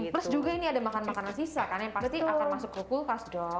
plus juga ini ada makanan makanan sisa kan yang pasti akan masuk ke kulkas dong